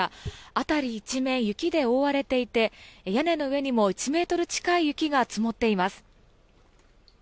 辺り一面、雪で覆われていて屋根の上にも１ｍ近い雪が積もっています。